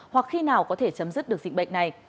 hoặc khi nào có thể chấm dứt được dịch bệnh này